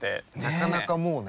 なかなかもうね。